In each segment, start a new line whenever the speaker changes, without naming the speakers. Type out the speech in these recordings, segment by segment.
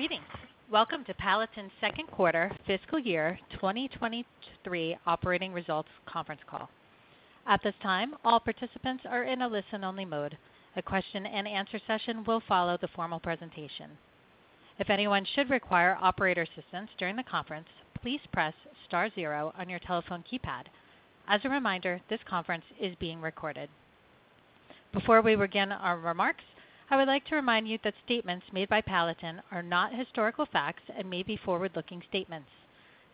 Greetings. Welcome to Palatin's second quarter fiscal year 2023 operating results conference call. At this time, all participants are in a listen-only mode. A question and answer session will follow the formal presentation. If anyone should require operator assistance during the conference, please press star zero on your telephone keypad. As a reminder, this conference is being recorded. Before we begin our remarks, I would like to remind you that statements made by Palatin are not historical facts and may be forward-looking statements.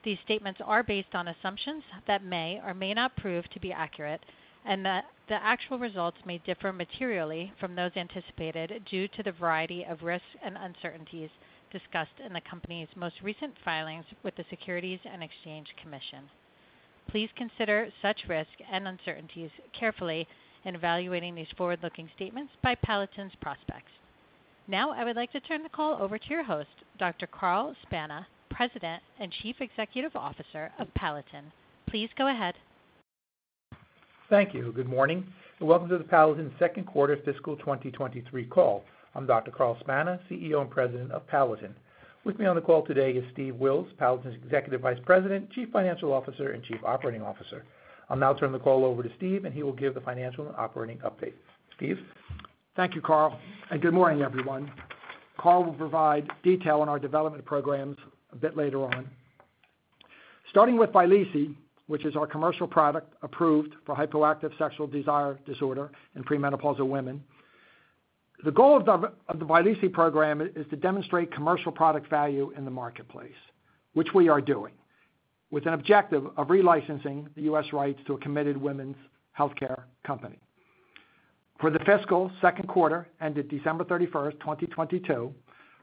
These statements are based on assumptions that may or may not prove to be accurate, and that the actual results may differ materially from those anticipated due to the variety of risks and uncertainties discussed in the company's most recent filings with the Securities and Exchange Commission. Please consider such risks and uncertainties carefully in evaluating these forward-looking statements by Palatin's prospects. Now I would like to turn the call over to your host, Dr. Carl Spana, President and Chief Executive Officer of Palatin. Please go ahead.
Thank you. Good morning, and welcome to the Palatin second quarter fiscal 2023 call. I'm Dr. Carl Spana, CEO and President of Palatin. With me on the call today is Steve Wills, Palatin's Executive Vice President, Chief Financial Officer, and Chief Operating Officer. I'll now turn the call over to Steve and he will give the financial and operating update. Steve.
Thank you, Carl. Good morning, everyone. Carl will provide detail on our development programs a bit later on. Starting with Vyleesi, which is our commercial product approved for hypoactive sexual desire disorder in premenopausal women. The goal of the Vyleesi program is to demonstrate commercial product value in the marketplace, which we are doing, with an objective of re-licensing the U.S. rights to a committed women's healthcare company. For the fiscal second quarter ended December 31st, 2022,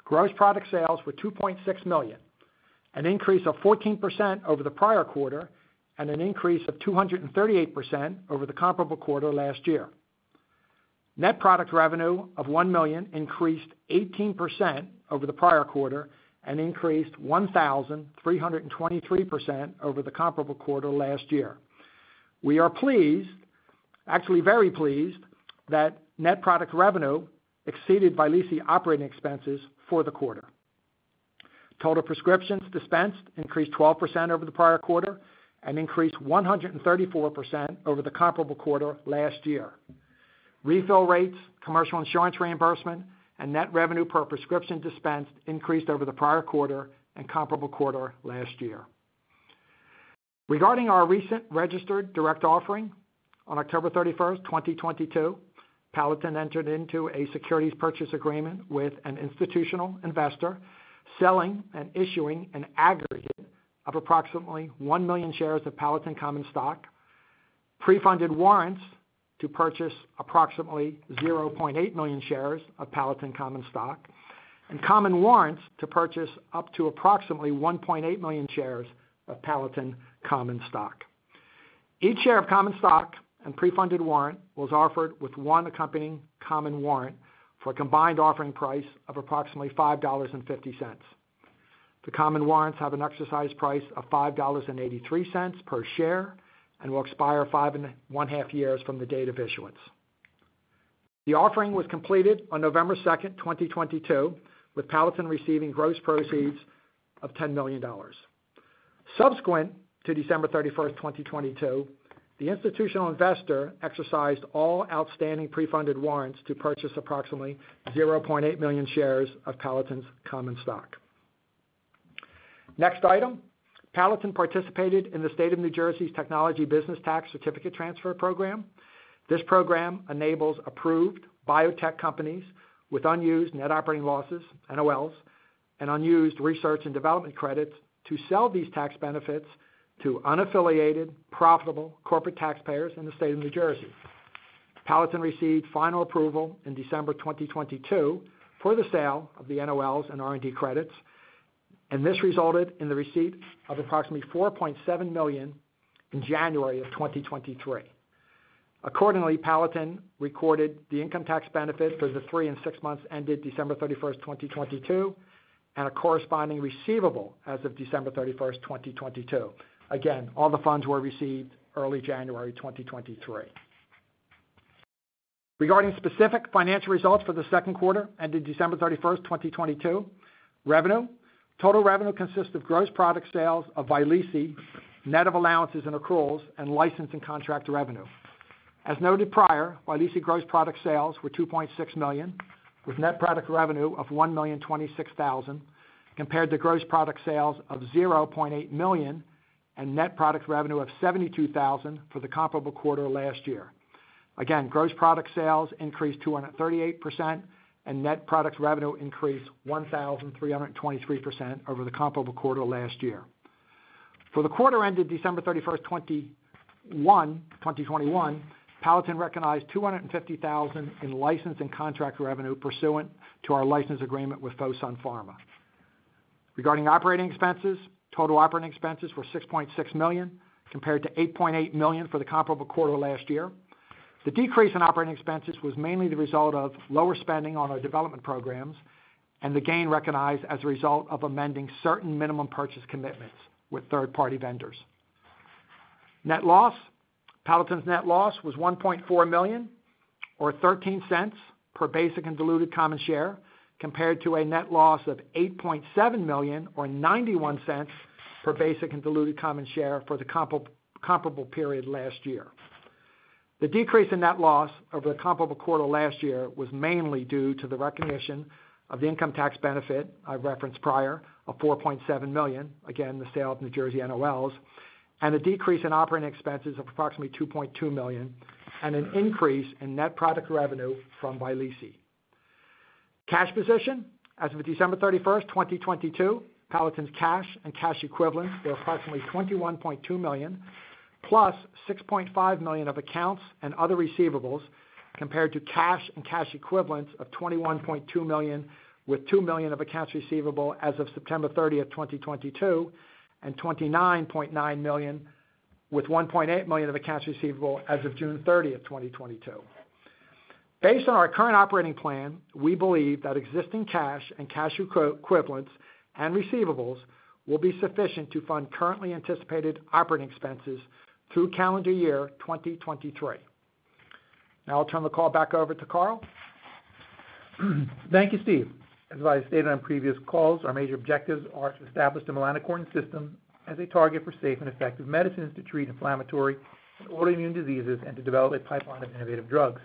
gross product sales were 2.6 million, an increase of 14% over the prior quarter and an increase of 238% over the comparable quarter last year. Net product revenue of 1 million increased 18% over the prior quarter and increased 1,323% over the comparable quarter last year. We are pleased, actually very pleased, that net product revenue exceeded Vyleesi operating expenses for the quarter. Total prescriptions dispensed increased 12% over the prior quarter and increased 134% over the comparable quarter last year. Refill rates, commercial insurance reimbursement, and net revenue per prescription dispensed increased over the prior quarter and comparable quarter last year. Regarding our recent registered direct offering on October 31, 2022, Palatin entered into a securities purchase agreement with an institutional investor, selling and issuing an aggregate of approximately 1 million shares of Palatin common stock, pre-funded warrants to purchase approximately 0.8 million shares of Palatin common stock, and common warrants to purchase up to approximately 1.8 million shares of Palatin common stock. Each share of common stock and pre-funded warrant was offered with one accompanying common warrant for a combined offering price of approximately $5.50. The common warrants have an exercise price of $5.83 per share and will expire five and one half years from the date of issuance. The offering was completed on November 2, 2022, with Palatin receiving gross proceeds of $10 million. Subsequent to December 31, 2022, the institutional investor exercised all outstanding pre-funded warrants to purchase approximately 0.8 million shares of Palatin's common stock. Next item. Palatin participated in the State of New Jersey's Technology Business Tax Certificate Transfer Program. This program enables approved biotech companies with unused net operating losses, NOLs, and unused research and development credits to sell these tax benefits to unaffiliated, profitable corporate taxpayers in the State of New Jersey. Palatin received final approval in December 2022 for the sale of the NOLs and R&D credits. This resulted in the receipt of approximately 4.7 million in January 2023. Accordingly, Palatin recorded the income tax benefit for the three and six months ended December 31, 2022, a corresponding receivable as of December 31, 2022. Again, all the funds were received early January 2023. Regarding specific financial results for the second quarter ended December 31, 2022. Revenue. Total revenue consists of gross product sales of Vyleesi, net of allowances and accruals and license and contract revenue. As noted prior, Vyleesi gross product sales were 2.6 million, with net product revenue of 1,026,000, compared to gross product sales of 0.8 million and net product revenue of 72,000 for the comparable quarter last year. Gross product sales increased 238% and net product revenue increased 1,323% over the comparable quarter last year. For the quarter ended December 31, 2021, Palatin recognized 250,000 in license and contract revenue pursuant to our license agreement with Fosun Pharma. Regarding operating expenses, total operating expenses were 6.6 million, compared to 8.8 million for the comparable quarter last year. The decrease in operating expenses was mainly the result of lower spending on our development programs and the gain recognized as a result of amending certain minimum purchase commitments with third-party vendors. Net loss. Palatin's net loss was 1.4 million or 0.13 per basic and diluted common share, compared to a net loss of 8.7 million or 0.91 per basic and diluted common share for the comparable period last year. The decrease in net loss over the comparable quarter last year was mainly due to the recognition of the income tax benefit I referenced prior of 4.7 million, again, the sale of New Jersey NOLs, and a decrease in operating expenses of approximately 2.2 million, and an increase in net product revenue from Vyleesi. Cash position. As of December 31st, 2022, Palatin's cash and cash equivalents were approximately 21.2 million plus 6.5 million of accounts and other receivables compared to cash and cash equivalents of 21.2 million with 2 million of accounts receivable as of September 30th, 2022, and 29.9 million with 1.8 million of accounts receivable as of June 30th, 2022. Based on our current operating plan, we believe that existing cash and cash equivalents and receivables will be sufficient to fund currently anticipated operating expenses through calendar year 2023. Now I'll turn the call back over to Carl.
Thank you, Steve. As I stated on previous calls, our major objectives are to establish the melanocortin system as a target for safe and effective medicines to treat inflammatory and autoimmune diseases and to develop a pipeline of innovative drugs.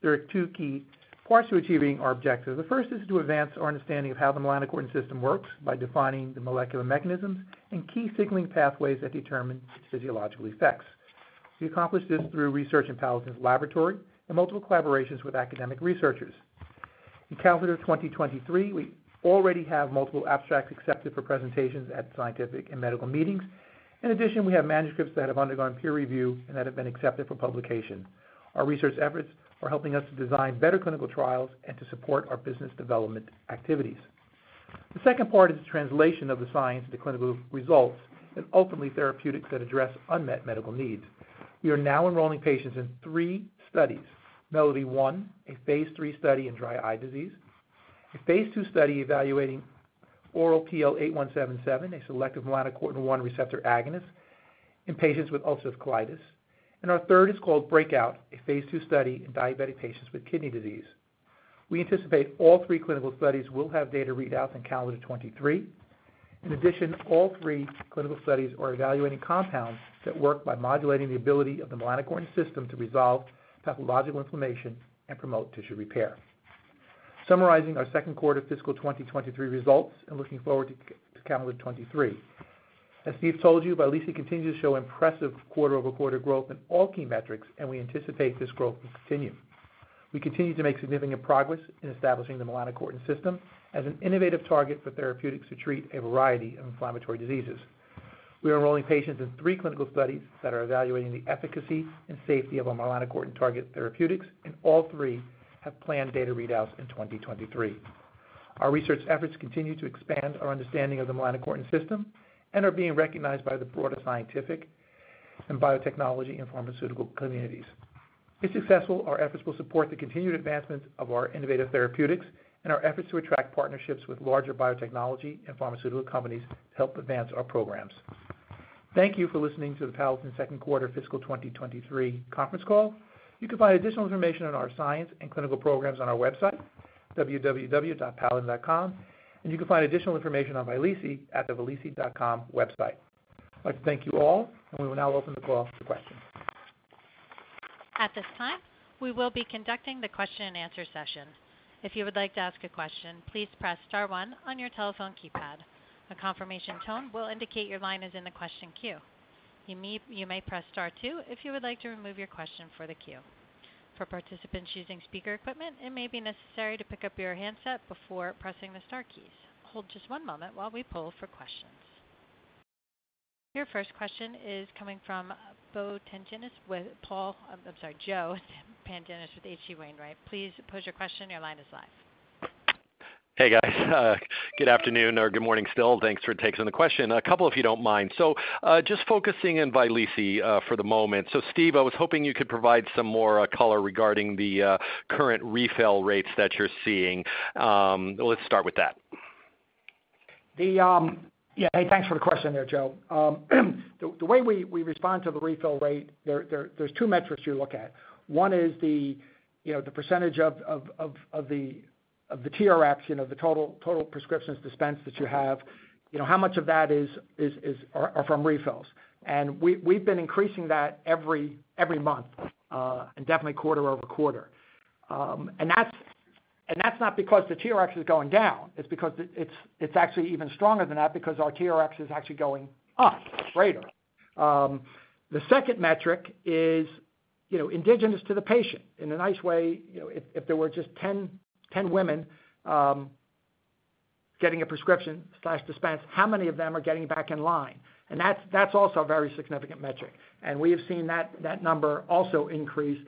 There are two key parts to achieving our objective. The first is to advance our understanding of how the melanocortin system works by defining the molecular mechanisms and key signaling pathways that determine physiological effects. We accomplish this through research in Palatin's laboratory and multiple collaborations with academic researchers. In calendar 2023, we already have multiple abstracts accepted for presentations at scientific and medical meetings. In addition, we have manuscripts that have undergone peer review and that have been accepted for publication. Our research efforts are helping us to design better clinical trials and to support our business development activities. The second part is the translation of the science to clinical results and ultimately therapeutics that address unmet medical needs. We are now enrolling patients in three studies: MELODY-1, a phase three study in dry eye disease; a phase two study evaluating oral PL8177, a selective melanocortin-1 receptor agonist in patients with ulcerative colitis, and our third is called BREAKOUT, a phase two study in diabetic patients with kidney disease. We anticipate all three clinical studies will have data readouts in calendar 23. In addition, all three clinical studies are evaluating compounds that work by modulating the ability of the melanocortin system to resolve pathological inflammation and promote tissue repair. Summarizing our second quarter fiscal 2023 results and looking forward to calendar 23. As Steve told you, Vyleesi continues to show impressive quarter-over-quarter growth in all key metrics. We anticipate this growth will continue. We continue to make significant progress in establishing the melanocortin system as an innovative target for therapeutics to treat a variety of inflammatory diseases. We are enrolling patients in three clinical studies that are evaluating the efficacy and safety of our melanocortin target therapeutics. All three have planned data readouts in 2023. Our research efforts continue to expand our understanding of the melanocortin system and are being recognized by the broader scientific and biotechnology and pharmaceutical communities. If successful, our efforts will support the continued advancement of our innovative therapeutics and our efforts to attract partnerships with larger biotechnology and pharmaceutical companies to help advance our programs. Thank you for listening to the Palatin second quarter fiscal 2023 conference call. You can find additional information on our science and clinical programs on our website, www.palatin.com. You can find additional information on Vyleesi at the vyleesi.com website. I'd like to thank you all. We will now open the call to questions.
At this time, we will be conducting the question-and-answer session. If you would like to ask a question, please press star one on your telephone keypad. A confirmation tone will indicate your line is in the question queue. You may press star two if you would like to remove your question for the queue. For participants using speaker equipment, it may be necessary to pick up your handset before pressing the star keys. Hold just one moment while we poll for questions. Your first question is coming from Joseph Pantginis with H.C. Wainwright & Co. Please pose your question. Your line is live.
Hey, guys. Good afternoon or good morning still. Thanks for taking the question. A couple, if you don't mind. Just focusing in Vyleesi for the moment. Steve, I was hoping you could provide some more color regarding the current refill rates that you're seeing. Let's start with that.
Yeah. Hey, thanks for the question there, Joe. The way we respond to the refill rate, there's two metrics you look at. One is the, you know, the percentage of the TRx, you know, the total prescriptions dispensed that you have. You know, how much of that is from refills. We've been increasing that every month and definitely quarter-over-quarter. That's not because the TRx is going down. It's because it's actually even stronger than that because our TRx is actually going up greater. The second metric is, you know, indigenous to the patient. In a nice way, you know, if there were just 10 women getting a prescription/dispense, how many of them are getting back in line? That's also a very significant metric. We have seen that number also increase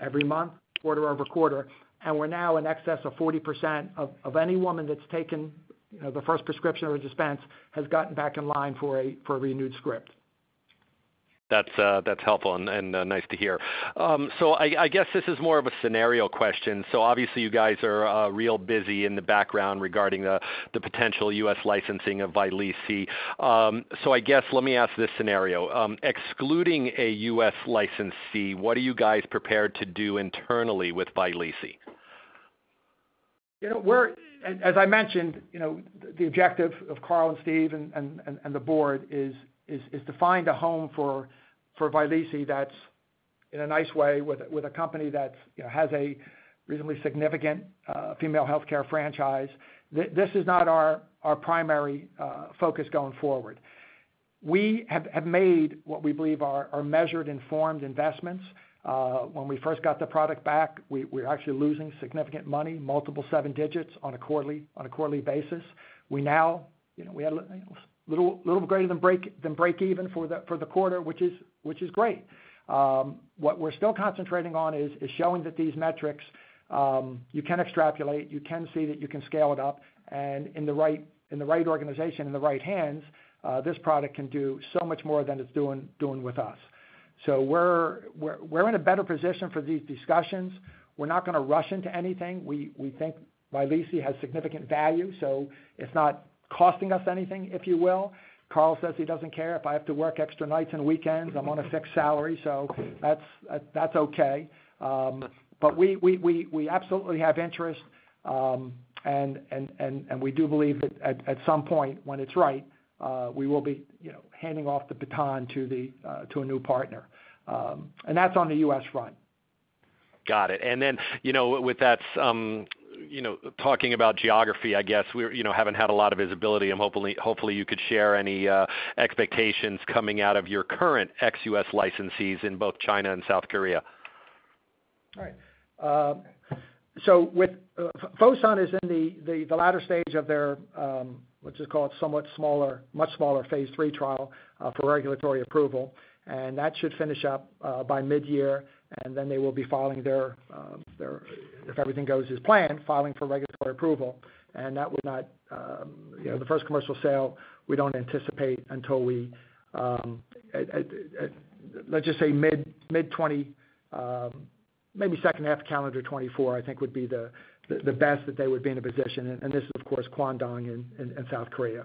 every month, quarter-over-quarter, and we're now in excess of 40% of any woman that's taken, you know, the first prescription or dispense has gotten back in line for a renewed script.
That's, that's helpful and, nice to hear. I guess this is more of a scenario question. Obviously you guys are, real busy in the background regarding the potential U.S. licensing of Vyleesi. I guess, let me ask this scenario. Excluding a U.S. licensee, what are you guys prepared to do internally with Vyleesi?
You know, As I mentioned, you know, the objective of Carl Spana and Steve and the board is to find a home for Vyleesi that's in a nice way with a company that, you know, has a reasonably significant female healthcare franchise. This is not our primary focus going forward. We have made what we believe are measured, informed investments. When we first got the product back, we were actually losing significant money, multiple seven digits on a quarterly basis. We now, you know, we had a little greater than break even for the quarter, which is great. What we're still concentrating on is showing that these metrics, you can extrapolate, you can see that you can scale it up.
In the right, in the right organization, in the right hands, this product can do so much more than it's doing with us. We're in a better position for these discussions. We're not gonna rush into anything. We think Vyleesi has significant value, it's not costing us anything, if you will. Carl says he doesn't care if I have to work extra nights and weekends, I'm on a fixed salary, that's okay. We absolutely have interest, and we do believe that at some point when it's right, we will be, you know, handing off the baton to a new partner. That's on the U.S. front.
Got it. You know, with that, you know, talking about geography, I guess, we're, you know, haven't had a lot of visibility and hopefully you could share any expectations coming out of your current ex-U.S. licensees in both China and South Korea.
Right. Fosun is in the latter stage of their, let's just call it somewhat smaller, much smaller phase three trial, for regulatory approval. That should finish up by mid-year, and then they will be filing their, if everything goes as planned, filing for regulatory approval. That will not, you know, the first commercial sale, we don't anticipate until we, let's just say mid-2024, maybe second half calendar 2024, I think would be the best that they would be in a position. This is of course Kwangdong Pharmaceutical in South Korea.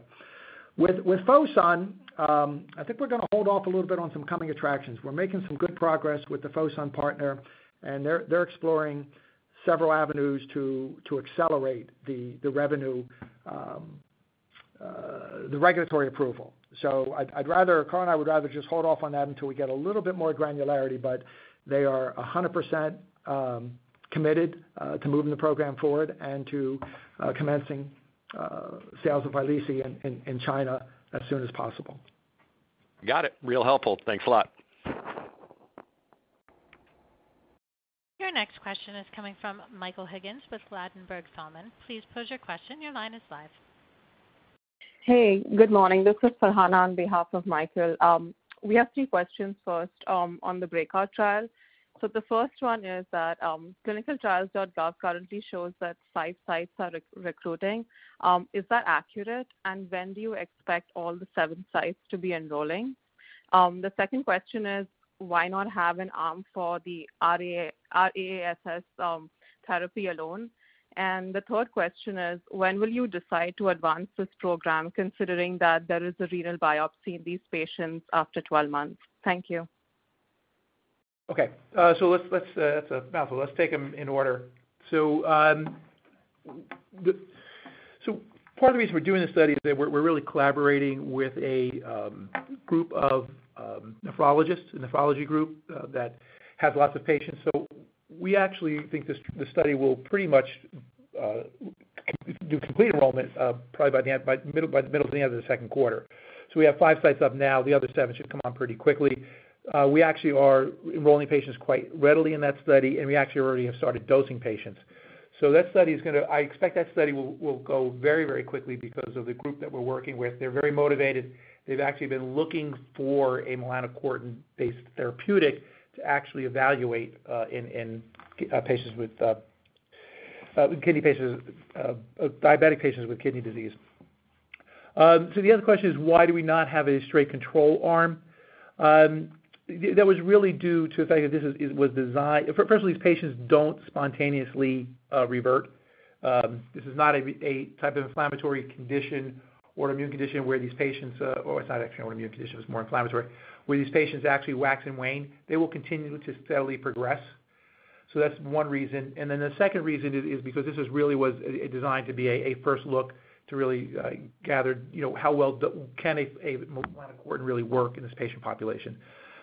With Fosun, I think we're gonna hold off a little bit on some coming attractions. We're making some good progress with the Fosun partner. They're exploring several avenues to accelerate the revenue, the regulatory approval. Carl and I would rather just hold off on that until we get a little bit more granularity, but they are 100% committed to moving the program forward and to commencing sales of Vyleesi in China as soon as possible.
Got it. Real helpful. Thanks a lot.
Your next question is coming from Michael Higgins with Ladenburg Thalmann. Please pose your question. Your line is live.
Hey, good morning. This is Faizan Rajput on behalf of Michael. We have three questions first on the BREAKOUT trial. The first one is that ClinicalTrials.gov currently shows that 5 sites are re-recruiting. Is that accurate? When do you expect all the seven sites to be enrolling? The second question is why not have an arm for the RAAS therapy alone? The third question is when will you decide to advance this program considering that there is a renal biopsy in these patients after 12 months? Thank you.
Okay. Let's, let's, that's a mouthful. Let's take them in order. Part of the reason we're doing this study is that we're really collaborating with a group of nephrologists, a nephrology group, that has lots of patients. We actually think this study will pretty much do complete enrollment, probably by the end, by the middle, by the middle to the end of the second quarter. We have five sites up now. The other seven should come on pretty quickly. We actually are enrolling patients quite readily in that study, and we actually already have started dosing patients. I expect that study will go very, very quickly because of the group that we're working with. They're very motivated. They've actually been looking for a melanocortin-based therapeutic to actually evaluate in patients with kidney patients, diabetic patients with kidney disease. The other question is why do we not have a straight control arm? That was really due to the fact that this is, was designed. First of all, these patients don't spontaneously revert. This is not a type of inflammatory condition or immune condition where these patients, or it's not actually an immune condition, it's more inflammatory, where these patients actually wax and wane. They will continue to steadily progress. That's one reason. The second reason is because this is really was designed to be a first look to really gather, you know, how well can a melanocortin really work in this patient population.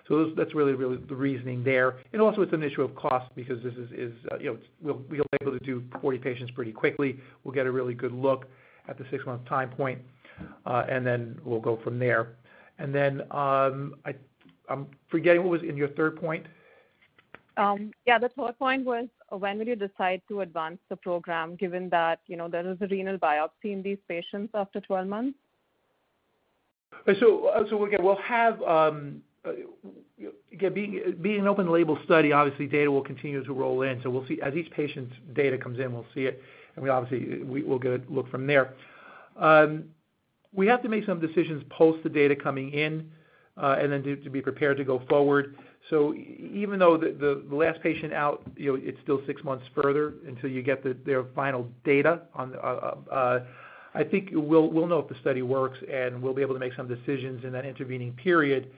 That's really, really the reasoning there. Also it's an issue of cost because this is, you know, we'll be able to do 40 patients pretty quickly. We'll get a really good look at the 6-month time point, then we'll go from there. Then, I'm forgetting what was in your third point.
Yeah, the third point was when will you decide to advance the program given that, you know, there is a renal biopsy in these patients after 12 months?
Again, being an open label study, obviously data will continue to roll in. We'll see as each patient's data comes in, we'll see it, and we obviously we'll get a look from there. We have to make some decisions post the data coming in, and then be prepared to go forward. Even though the last patient out, you know, it's still six months further until you get the, their final data on, I think we'll know if the study works, and we'll be able to make some decisions in that intervening period.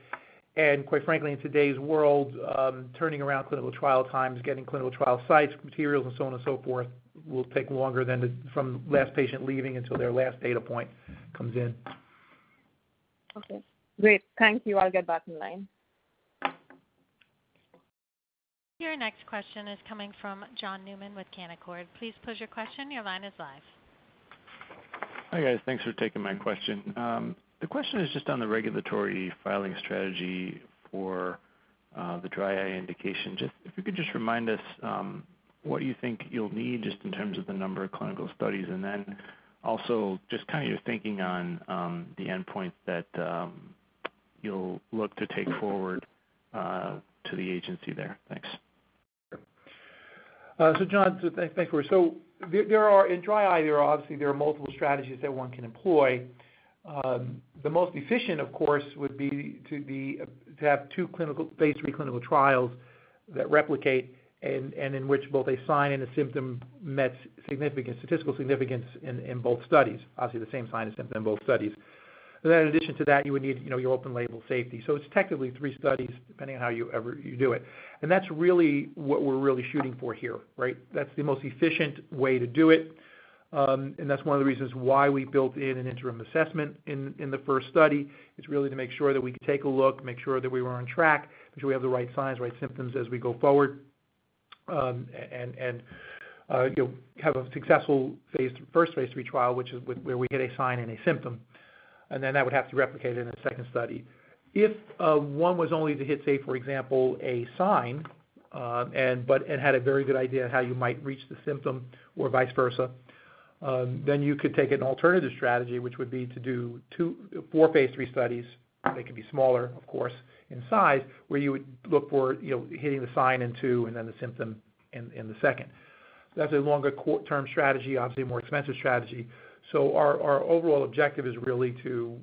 Quite frankly, in today's world, turning around clinical trial times, getting clinical trial sites, materials and so on and so forth, will take longer than from last patient leaving until their last data point comes in.
Okay, great. Thank you. I'll get back in line.
Your next question is coming from John Newman with Canaccord. Please pose your question. Your line is live.
Hi, guys. Thanks for taking my question. The question is just on the regulatory filing strategy for the dry eye indication. If you could just remind us, what you think you'll need just in terms of the number of clinical studies, and then also just kind of your thinking on the endpoint that you'll look to take forward to the agency there. Thanks.
John, thank you. There are-- In dry eye disease, there are obviously multiple strategies that one can employ. The most efficient, of course, would be to have two clinical, Phase three clinical trials that replicate and in which both a sign and a symptom met significance, statistical significance in both studies. Obviously, the same sign and symptom in both studies. In addition to that, you would need, you know, your open label safety. It's technically three studies depending on how you do it. That's really what we're shooting for here, right? That's the most efficient way to do it. That's one of the reasons why we built in an interim assessment in the first study. It's really to make sure that we can take a look, make sure that we were on track, make sure we have the right signs, right symptoms as we go forward. you know, have a successful first phase three trial, which is where we get a sign and a symptom, and then that would have to replicate in a 2nd study. If one was only to hit, say, for example, a sign, and had a very good idea of how you might reach the symptom or vice versa, then you could take an alternative strategy, which would be to do four phase three studies. They could be smaller, of course, in size, where you would look for, you know, hitting the sign in two and then the symptom in the 2nd. That's a longer quarter term strategy, obviously a more expensive strategy. Our overall objective is really to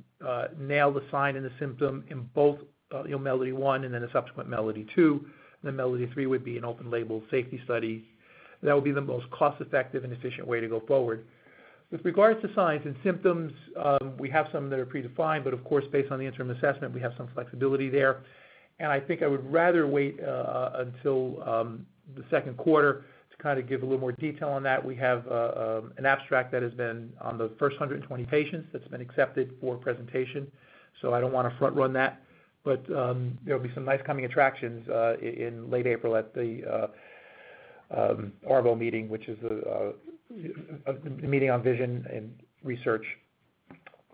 nail the sign and the symptom in both, you know, MELODY-1 and then the subsequent MELODY-2, the MELODY-3 would be an open label safety study. That would be the most cost-effective and efficient way to go forward. With regards to signs and symptoms, we have some that are predefined, but of course, based on the interim assessment, we have some flexibility there. I think I would rather wait until the second quarter to kind of give a little more detail on that. We have an abstract that has been on the first 120 patients that's been accepted for presentation, I don't wanna front-run that. There'll be some nice coming attractions in late April at the ARVO meeting, which is a meeting on vision and research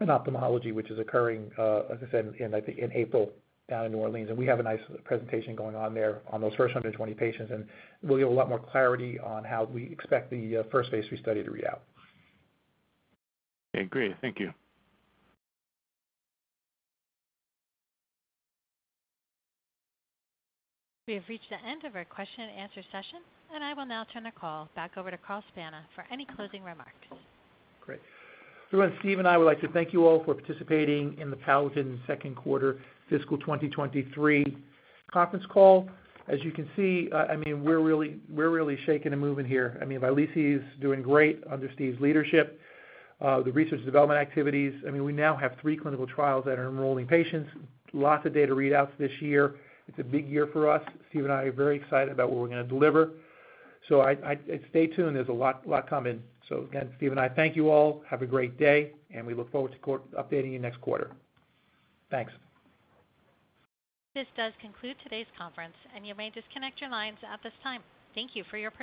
in ophthalmology, which is occurring as I said in, I think in April down in New Orleans. We have a nice presentation going on there on those first 120 patients, and we'll get a lot more clarity on how we expect the first phase 3 study to read out.
Okay, great. Thank you.
We have reached the end of our question and answer session, and I will now turn the call back over to Carl Spana for any closing remarks.
Great. Steve and I would like to thank you all for participating in the Palatin second quarter fiscal 2023 conference call. As you can see, I mean, we're really shaking and moving here. I mean, Vyleesi is doing great under Steve's leadership. The research and development activities, I mean, we now have three clinical trials that are enrolling patients. Lots of data readouts this year. It's a big year for us. Steve and I are very excited about what we're gonna deliver. Stay tuned. There's a lot coming. Again, Steve and I thank you all. Have a great day, and we look forward to updating you next quarter. Thanks.
This does conclude today's conference, and you may disconnect your lines at this time. Thank you for your participation.